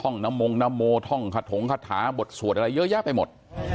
นี่ครับมองบุญเนี่ย